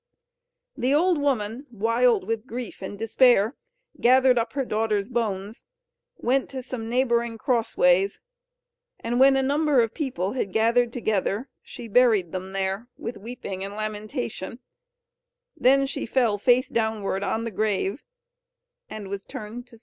The old woman, wild with grief and despair, gathered up her daughter's bones, went to some neighbouring cross ways, and when a number of people had gathered together, she buried them there with weeping and lamentation; then she fell face downward on the grave and was turned to stone.